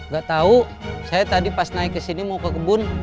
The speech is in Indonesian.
gak tahu saya tadi pas naik ke sini mau ke kebun